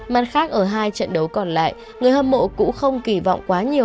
mặt khác ở hai trận đấu còn lại người hâm mộ cũng không kỳ vọng quá nhiều